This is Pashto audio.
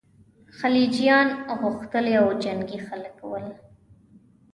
خلجیان غښتلي او جنګي خلک ول.